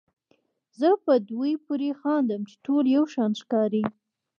زه په دوی پورې خاندم چې ټول یو شان ښکاري.